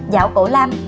giảo cổ lam